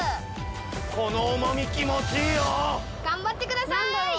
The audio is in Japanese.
この重み気持ちいいよ！頑張ってください！